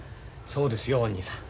そうですよおにいさん。